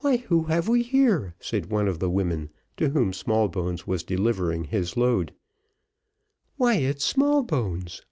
"Why, who have we here?" said one of the women to whom Smallbones was delivering his load, "why, it's Smallbones."